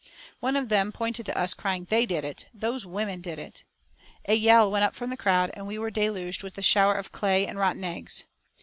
One of them pointed to us, crying: "They did it! Those women did it!" A yell went up from the crowd, and we were deluged with a shower of clay and rotten eggs.